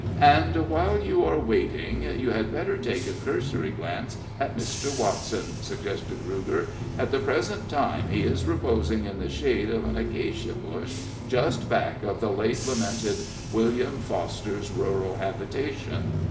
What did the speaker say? "And while you are waiting, you had better take a cursory glance at Mr. Watson," suggested Ruger. "At the present time he is reposing in the shade of an acacia bush, just back of the late lamented William Foster's rural habitation.